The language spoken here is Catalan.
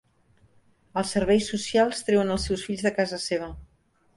Els serveis socials treuen els seus fills de casa seva.